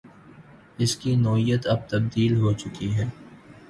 اس کی نوعیت اب تبدیل ہو چکی ہے۔